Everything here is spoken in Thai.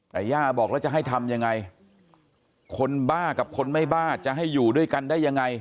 แต่ย่าบอกแล้วจะให้ทำยังไงคนบ้ากับคนไม่บ้าจะให้อยู่ด้วยกันได้ยังไง